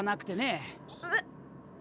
えっ！